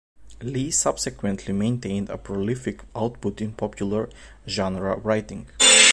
Lee subsequently maintained a prolific output in popular genre writing.